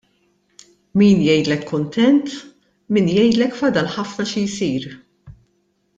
Min jgħidlek kuntent, min jgħidlek fadal ħafna xi jsir.